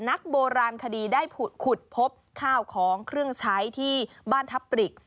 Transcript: นักโบราณคดีได้ขุดพบข้าวของเครื่องใช้ที่บ้านทับปริก